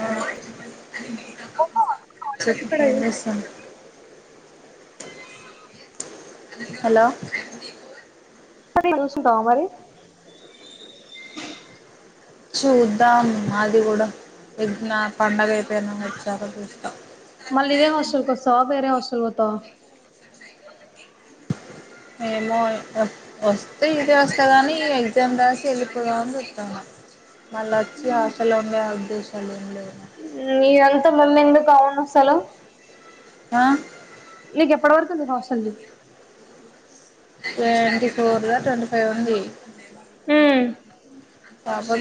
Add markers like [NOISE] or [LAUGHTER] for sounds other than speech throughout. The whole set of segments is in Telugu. ఆహ్ చెప్పు ఏం చేస్తుండ్రు. హలో. అది చూసుకుంటావా మరి. చూద్దాం అది కూడా నా పండగ [UNINTELLIGIBLE] మళ్ళీ ఇదే హస్టల్కి వస్తావా వేరే హస్టల్కి పోతావ. ఏమో వస్తే ఇదే వస్తదని ఎగ్జామ్ వ్రాసి వెళ్ళిపోదాము అని చుస్తున్నా. మళ్ళోచ్చి హాస్టల్లో ఉండే ఉద్దేశాం ఏం లేదు. మీ అంతా మళ్ళీ ఎందుకు అవును అసలు. ఆహ్. నీకు ఎప్పటి వరకు ఉంది హాస్టల్ది. ట్వంటీ ఫోర్ల ట్వంటీ ఫైవ్ ఉంది. ఆహ్.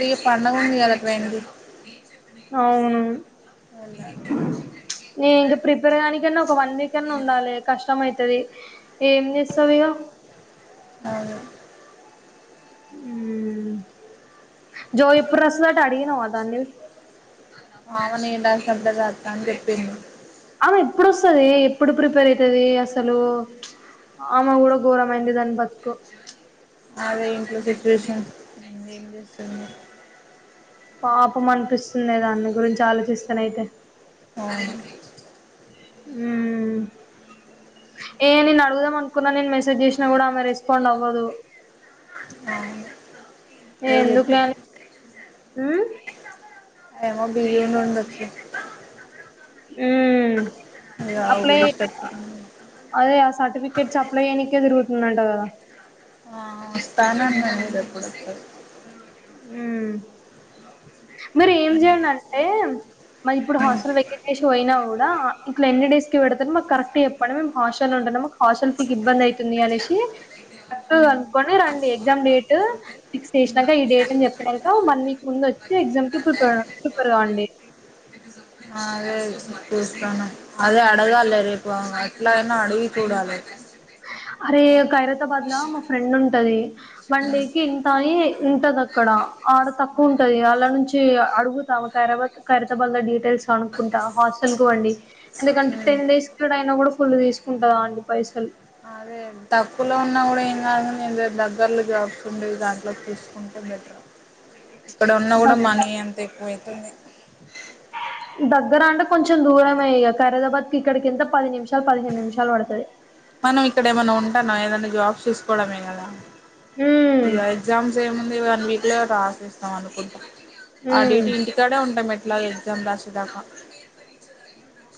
ఈ పండుగ ఉంది కదా ట్రైన్ కి. అవును ఓన్లానే. నేను ఇంకా ప్రిపేర్ కానింకాన్నా ఒక వన్ వీక్ అన్నా ఉండాలి కష్టంమైత్. తది ఏం చేస్తావ్ ఇగ. అవును. ఉమ్ జో ఎప్పుడు రాస్తాదంట అడిగినవ దాని. ఆమె నేను రాసినప్పుడే రాస్తా అని చెప్పింది. ఎప్పుడోస్తది ఎప్పుడు ప్రిపేర్ అయితది అసలు ప్చ్. ఆమె కూడ ఘోరమైంది దాని బతుకు ప్చ్. అదే ఇంట్లో సిచువేషన్ ఏది ఏం చేస్తాం ఇగ. పాపం అనిపిస్తుంది దాన్ని గురించి ఆలోచిస్తానైతే. అవును. ఉమ్ ఏ నేను అడుగుదాం అనుకున్నా నేను మెసేజ్ చేసినా కూడా ఆమె రెస్పాండ్ అవ్వదు. ఫ్రాంగు. ఎందుకులే అని ఉమ్. ఆమె ఎమో బియడ్ నుండి వచ్చింది. ఉమ్మ్. ఊకే అప్లై డిస్టర్బ్ అదే ఆ సర్టిఫికెట్స్ అప్లై చేయనికె తిరుగు. [UNINTELLIGIBLE] అంటగదా. ఆహ్ స్థానే [UNINTELLIGIBLE] సరిపోతది. ఉమ్. అలాా మరీ ఏం చేయాలనంటే. మరి ఇప్పుడు హాస్టల్ వేకెట్ చేసి పోయినా కూడా ఇట్లా ఎన్ని డేస్ కి పెడతారు మాకు కరెక్ట్. చెప్పనం మేము హాస్టల్ లో ఉంటున్నాం. మాకు హాస్టల్ ఫీకి ఇబ్బంది అయితుంది అనేసి చక్కగా అనుకొని రండీ. ఎగ్జామ్ డేట్ ఫిక్స్ చేసినాక ఈ డేట్. చెప్పినంక వన్ వీక్ ముందు వచ్చి ఎగ్జామ్ కి ప్రిపర్ ప్రిపర్ కాండి. అదే ఇప్పుడు చేస్తానా అదే అడగాలే రేపు ఏట్లానా అడవి చూడాలి, అరే ఖైరతాబాద్ లా మా ఫ్రెండ్ ఉంటది. వన్ డే కి ఇంతా అన్ని ఉంటది అక్కడ ఆడ తక్ తక్కువ ఉంటది అలా నుంచి అడుగుతా ఆమె కార్ ఖైరతాబాద్ డీటెయిల్స్, అనుకుంటా హాస్టల్ కి పోండి ఎందుకంటే హ్మ్ టెన్ డేస్ కి అయి కూడా, ఫుల్ తీసుకుంటది, ఆంటి పైసలు అదే తక్కువలో ఉన్నా కూడా ఏం కాదు నే దగ్గర్లో జాబ్స్ ఉండేది దాంట్లోకి చూసుకుంటే, ఇక్కడ ఉన్నా కూడా దగ్ మనీ ఎంత ఎక్కువైతుంది. దగ్గర అంటే కొంచెం దూరమే ఇక ఖైరతాబాద్ కి ఇక్కడికి ఎంత పది నిమిషం పదిహేను నిమిషాలు పడుతది. అట్టన ఏదన్నా జాబ్స్ చూసుకోవడమే కదా ఉమ్ ఇగా ఎగ్జామ్స్ ఎం ఉన్నాయి. వన్ వీక్ లో రాసేస్తాం అనుకుంటా ఆ ఉమ్ డ్యూటీ ఇంటికాడే ఉంటా కదా ఎలాగ్ ఎగ్జామ్ రాసే దాకా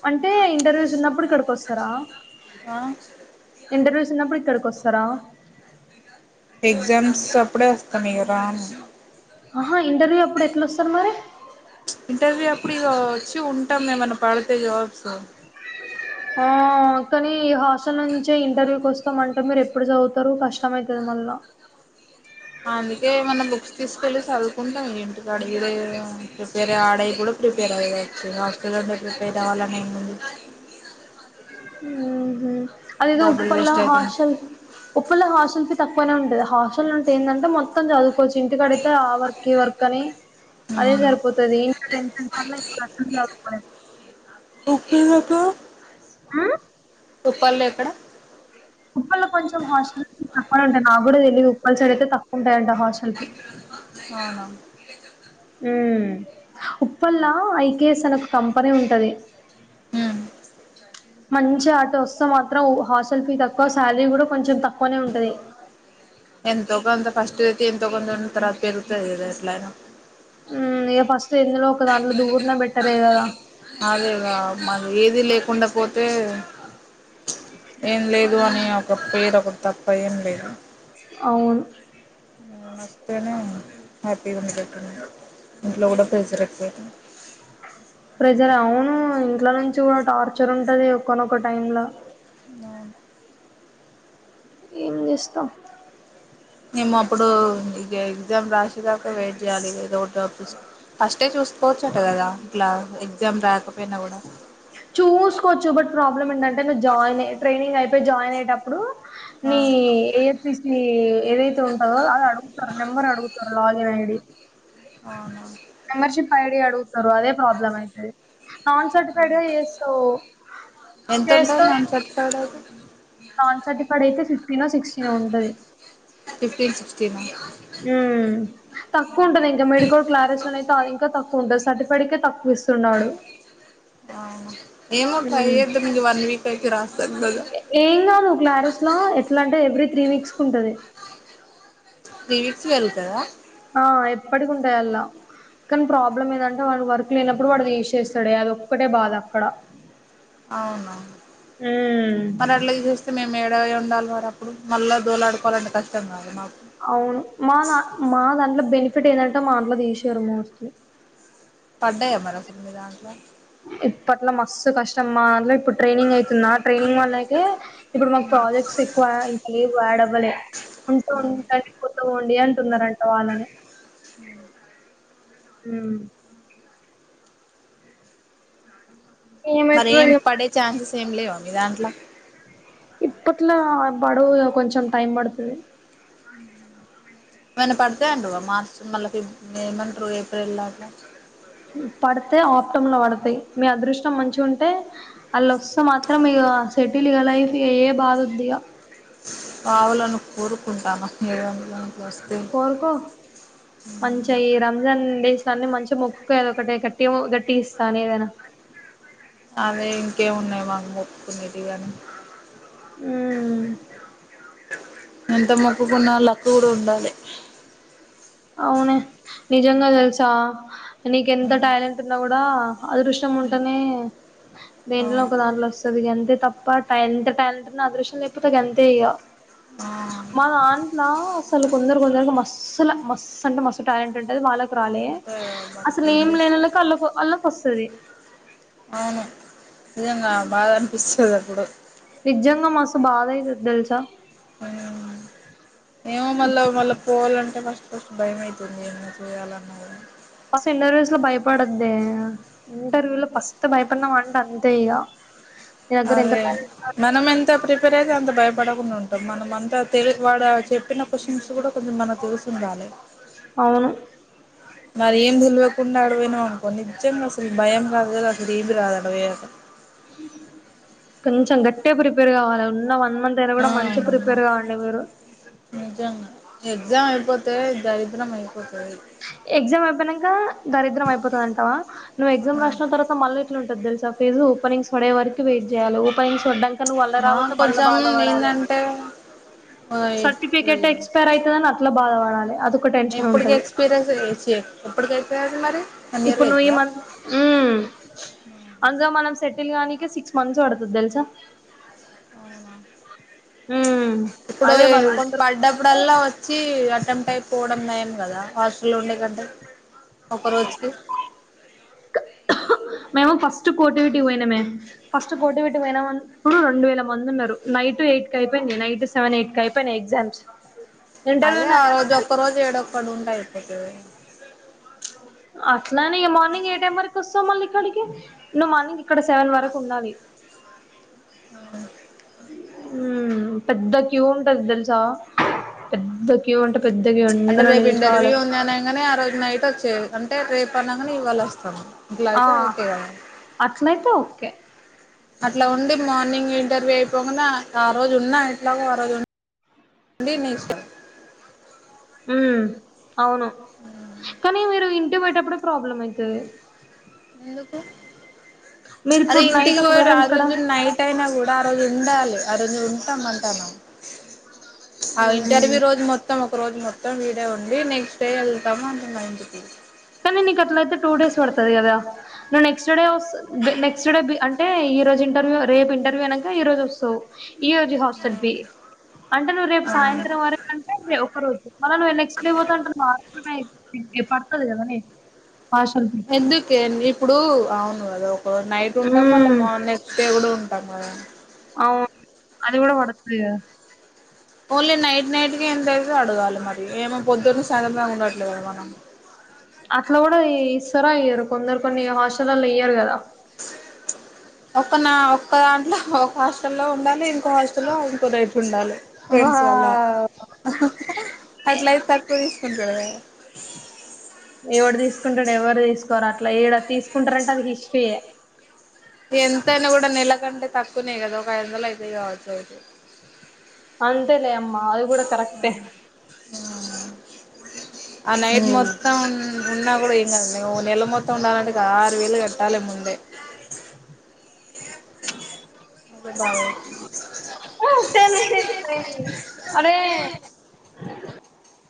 అంటే ఇంటర్వ్యూస్ ఉన్నప్పుడు ఇక్కడికి వస్తారా, ఆ వచ్చినపుడు ఇక్కడికి వస్తారా, ఎగ్జామ్స్ అప్పుడే వస్తాం, ఇగా రాము ఆహా ఇంటర్వ్యూ అప్పుడు ఎట్లా వస్తారు, మరి ఇగా వచ్చి ఉంటాం మేమన్నా పడితే జాబ్స్, ఆ కానీ హాస్టల్ నుంచే ఇంటర్వ్యూకి వస్త అంట మీరు ఎప్పుడు చదువుతారు కష్టం అయితది మళ్ళా, అందుకే ఏమన్నా బుక్స్ తీసుకెళ్ళి చదువుకుంటాం, ఇంటి అడిద ప్రిపేర్ ఆడే కూడా ప్రిపేర్ అయవచ్చు హాస్టల్ లోనే ప్రిపేర్ అవ్వాలని ఏముంది. ఊహు అదేదో డబ్బులు ఉప్పలా వేస్ట్ అవుతుంది హాస్టల్ ఉప్పల్ లో హాస్టెల్స్ తక్కువనే ఉంటాయి, హాస్ట అంటే ఏంటంటే మొత్తం చదువుకోవచ్చు ఇంటికడితే ఆ వర్క్ ఈ వర్క్ అని అదే సరిపోతుది ఇంకా టెన్షన్ అన్ని ఇంసదు ఎక్కడికి ఎక్కడ ఉమ్ లోపడా ఆడ అంత నాకు కూడా తెలిదు ఉప్పల్ సైడ్ అయితే తక్కువ ఉంటాయంట, హాస్టల్ వి అవునా ఉప్పల్లా ఐకేఎస్ అని ఒక కంపెనీ ఉంటది. ఉ మంచి ఆట వస్తే మాత్రం హాస్టల్ ఫీ తక్కువ శాలరీ కూడా కొంచెం తక్కువనే ఉంటది. ఎంతోగాంత ఫస్ట్ అయితే ఎంతో కొంత ఉన్న తర్వాత పెరుగుతది, కదా ఎట్లా అయినా ఊ ఇక ఫస్ట్ ఎందులో ఒక దాంట్లో దూరుతనే బట్టరే కదా, అదేగా మది ఏది లేకుండా పోతే ఏం లేదు అని ఒక పేరు ఒకటి తప్ప ఏం లేదు, అవును నువ్ వస్తేనే హ్యాపీగా ఉంటది చెప్పడి ఇంట్లో కూడా ప్రేజర్ ఎక్కువైతుంది ప్రజలు అవును ఇంట్ల నుంచి కూడా టార్చర్ ఉంటది ఒక్కనొక్క టైం లో మామ్ ఏం చేస్తాం మేము అప్పుడు ఇక ఎగ్జామ్ రాసిదాక వెయిట్ చేయాలి ఏదో రాపిచూ ఫాస్ట్ ఏచూ చూసుకోవచ్చట కదా ఇట్లా ఎగ్జామ్ రాక చూసుకోవచ్చు బట్ ప్రాబ్లమ్ ఏంటంటే నువ్వు జాయిన్ ట్రైనింగ్ అయిపోయి జాయిన్ అయి, అప్పుడు ఆ ని ఎస్పిసి ఏదైతే ఉంటందో అది అడుగుతారు నెంబర్ అడుగుతారు. బాగేనండి, అవును మెంబర్షిప్ ఐడి అడుగుతారు, అదే ప్రాబ్లమ్ అయితది. నాన్ సర్టిఫైడ్ చేస్తావ్, ఎంత ఉంటాది చేస్తావ్ నాన్ సర్టిఫైడ్ అయితే నాన్ సర్టిఫైడ్ అయితే ఫిఫ్టీనో సిక్స్టీనో ఉంటది. ఫిఫ్టీన్ సిక్స్టీన్ హుమ్ తక్కువ ఉంటంది ఇంకా మెడికల్ క్లారెస్ అయితే అది ఇంకా తక్కువ ఉంటుంది సర్టిఫైడ్ ఇక తక్ విస్తున్నాడు ఆ ఏమో ట్రై చేదాం ఇక వన్ వీక్ అయితే రాస్తాది కాద అసలు ఎట్లా అంటే ఎవ్రీ త్రీ వీక్స్ కు ఉంటాది త్రి వీక్స్ లో వెళ్తాద ఆ ఎప్పటికి ఉంటాయి అల్లా కానీ ప్రాబ్లమ్ ఏదంటే వాడు వర్క్ లేనప్పుడు వాడుది తీసేస్తాడు అదోక్కటే బాధ అక్కడ అవున ఉమ్ మరి అట్లా తీచేస్తే మేము ఏ ఇ ఉండాలి వారు అప్పుడు మళ్ళా దోలాడుకోవాలంటే కష్టం కాదు మాకు అవును మా ద మా దాంట్లో బెనిఫిట్ ఏంటంటే మా దంట్లో తీసారు మోస్ట్లీ పడయా మరి అసలు మీ దాంట్లో ఇప్పట్లో మస్తు కష్టం [UNINTELLIGIBLE] ఇప్పుడు ట్రైనింగ్ అయితున్న ట్రైనింగ్ వాల్లకి ఇప్పుడు మాకు ప్రాజెక్ట్స్ ఎక్కువ ఇంకా లేవు యాడ్వ్వలే ఉంటే ఉంటది కొత్తూండి అంటున్నారంట వాళ్ళని మ్ మ్ మరి ఏమైతదో ఏం ఏమో పడే ఛాన్సెస్ ఏం లేవా మీ దాంట్లో ఇప్పట్లా బడువు కొంచం టైమ్ పడుతుది ఏమన్న పడతాయంటావా మార్చ మళ్ళా ఏమంటరు ఏప్రిల్ లాట్లా పడితే ఆప్టంలో పడతాయి మీ అదృష్టం మంచి ఉంటే అళ్ళొస్త మాత్రం ఇక సెటిల్ ఇక లైఫ్ ఇక ఏ బాధ వద్దు ఇక రావాలని కోరుకుంటామా ఏందు కోరుకో మంచియి రంజాన్ డేస్ అన్ని మంచి మొక్కుకో ఏదొ ఒకటే గట్టి గట్టిగ ఇస్తాడు ఏదైనా అదే ఇంకేమున్నాయి మాకు మొక్కకునేదిగాని మ్ ఎంత మొక్కుకున్నా లక్కు కూడా ఉండాలె అవును నిజంగా తెలుసా నీక ఎంత టాలెంట్ ఉన్నా కూడా అదృష్టం ఉంటేనే దేంట్లో అవును ఒక దాంట్లో వస్తది ఇగ అంతే తప్ప ఎంత టాలెంట్ ఉన్నా అదృష్టం లేకపోతే అంతే ఇగ ఆ మా దాంట్లా అసలు కొందరు కూడా ఆసల మస్త్ అంటే మస్త్ టాలెంట్ ఉంటది వాళ్ళకి రాలే అంతే మనకి అసలు ఏం చేస్ లేనోళ్లకు అల్ళకు అళ్ళకి వస్తుంది అవును నిజంగా బాధ అనిపిస్తది అప్పుడు నిజంగా మస్తు బాధ అయితది తెలుసా మ్ ఏమో మల్ల మల్ల పోవాలంటే ఫస్ట్ ఫస్ట్ భయమైతుంది ఏమన్నా చెయ్యాలన్నా గూడా ఫస్ ఇంటర్వ్యూస్ లో భయపడద్దే ఇంటర్వ్యూ లో ఫస్ త్ భయపడినావ్ అంటే అంతే ఇగ నీ దగ్గర ఎంత అదే టాలెంట్ ఉన్నా మనం ఎంత ప్రిపే ట్టైతే అంత భయపడకుండా ఉంటాం మనం అంత తెలుఐగు వాడా చెప్పిన క్వశ్చన్స్ కూడా కొంచెం మనం చూసుండాలి అవును మరి ఏం తెల్వకుండా అడ పోయినాం అనుకో నిజంగా అసలు భయం కాదు [INAUDIBLE] కదా అసలు రాదు అడ పోయయాక కొంచెం గట్టిగా ప్రపేర్ కావాలి ఉన్నామ వన్ మంత్ అయినా కూడా మంచి ఆ ప్రిపేర్ కావండి మీరు గ్జామ్ అయిపోతే దరిద్రం ఐపో ఎగ్జామ్ ఐపోయినాంక దరిద్రం అయిపోతాది అంటావా నువ్వు ఎగ్జామ్ రాసిన తర్వాత మళ్ళీ ఎట్లా ఉంటది తెల్స్ ద ఫెజు ఓపెనింగ్స్ వడే వరకు వెయిట్ చేయాల ఒపెనింగ్స్ వడ్డంక అక్క నువ్వు వళ్ల ఆ రావోతే మళ్ళ కొంచెం బాధపడాలె ఏందంటే సర్టిఫికెట్ ఈ ఎక్స్పైర్ ఐతదని అట్ల బాధ పడాలె అదొక టెన్షన్ ఉంటది ఓసారి ఏడ్చెయ్ ఎప్పుడుకయితది అది మరి వన్ ఇయర్ ఇప్పు నువ్ ఇయ్ అయితదా మన్ ఊ అంగ మన మనం సెటిల్ గానీకె సిక్స్ మంత్స్ పడుతది తెలుసా అవునా మ్మ్ ఇప్పుడో అదే ఏ బాధ కొందరు పడ్డప్పుడల్లా వచ్చి అటెంప్ట్ అయిపోవడం నయం కదా హాస్టల్ ఉండే కంటే ఒక రోజుకు మేము ఫస్ట్ కోటివిటీ పోయినమే ఫస్ట్ కోటివిటీ పోయినమన్ ఇప్పుడు రెండు వేల మంది ఉన్నరు నైట్ ఎయిట్ కి అయిపోయింది నైట్ టు సెవెన్ ఎయిట్ కి అయిపోయినయి ఎగ్జామ్స్ అదే ఇంటర్వ్యూనే ఆ రోజు అయిపోతది ఒక్క రోజు ఏడోక్కడు ఉంట అయిపోతది అట్లని ఇగ మార్నింగ్ ఏ టైం వరకు వస్తా మళ్ళీ ఇక్కడికి నువ్వు మార్నింగ్ అక్కడ సెవెన్ వరకు ఉండాలి ఆవును ఊ పెద్ద క్యూ ఉంటది తెలుసా పెద్ద క్యూ ఉంట పెద్దగ ఇగ అంటే అందరు రేపు నను చూసిన వాళ్ళే ఇంటర్వ్యూ ఉంది అనంగానే ఆ రోజు నైట్ వచ్చే అంటే రేపు అనంగనే ఇవాళ వస్తం ఆ గ్లయితే ఓకే కదా అట్లయితే ఓకే అట్లా ఉండి మార్నింగ్ ఇంటర్వ్యూ అయిపోంగనే ఆ రోజు ఉన్నా ఎట్లాగో ఆ రోజు ఉ అండీ నీషో అవును కానీ మీరు ఇంటి పొయటప్పుడే ప్రాబ్లం ఐతది ఎందుకు మీరు అరె ఇప్పుడు ఇంటికి నైట్ పోయిర్ ఒకవేళ ఆ ఇక్కడ రోజు నైట్ అయినా కూడా ఆ రోజు ఉండాలి ఆ రోజు ఉంటాంమంటనం అ ఇంటర్వి హ్మ్ రోజు మొత్తం ఒక రోజు మొత్తం వీడేవ్ ఉండి నెక్స్ట్ డే ఎళ్తము అంటున్న ఇంటికి కానీ నీకు అట్లయితే టూ డేస్ వడతది కదా హ నువ్వు నెక్స్ట్ వొస్ డే నెక్స్ట్ డే అంటే ఈ రోజు ఇంటర్వ్యూ రేపు ఇంటర్వ్యూ అనక ఈ రోజు వస్తవు ఈ రోజు హాస్టల్ ఫి అంటే నువ్వు రేపు ఆ సాయంత్రం వరకంటే ఒక రోజు మళ నువ్వు ఏ నెక్స్ట్ డే పోత అంటే [UNINTELLIGIBLE] దివ్య పక్కది కద నే ఎందుకే నీ ఇప్పుడు అవును కదా ఒ ఒ నైట్ ఉంటము అల హ్మ్ మ నెక్స్ట్ డే కూడా ఉంటము కదా అవును అది కూడా వడత ఇగా ఓన్లీ నైట్ నైట్ కి ఎంతయితదో అడగాలి మరి ఏమో పొద్దున్న నుంచి సంతందాగా ఉండట్లే కదా మనం అట్లా కూడా ఈ ఇస్తార ఇయ్యారో కొందరు కొన్ని హాస్టల్లల ఇయ్యరు కదా ఒక్క నా ఒక్క దాంట్లో ఒక హాస్టల్లో ఉండాలి ఇంకో హాస్టల్లో ఇంకో రేపు ఉండాలి. ఫెండ్స్ వళ్ల వావ్ అట్లయితే తక్కో తీసుకుంటడు కదా ఒరేయ్ ఎవడు తీసుకుంటడు ఎవరు తీసుకోరు అట్లా ఏడ తీసుకుంట్రన్టే అది హిస్టరీయే ఎంతైనా కూడా నెలకంటే తక్కువనే కదా ఒక ఐదు వందలు అయితే కావచ్చు ఐతే అంతలే అమ్ ఆ నైట్ ఉమ్ మొత్తం ఉన్ ఉన్నా కూడా ఏం కాదు లె ఒ నెల మొత్తం ఉండాలంటే ఇగ ఆరు వేలు కట్టాలి ముందే ఈ యేప్ నువ్వే బాదపడతవ్ సెనుగో ఇట్ల ఐంది అరే